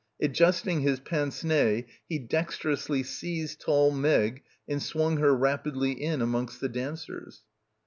Adjusting his pince nez he dexterously seized tall Meg and swung her rapidly in amongst the dancers.